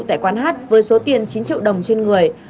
tại quán hát với số tiền chín triệu đồng trên người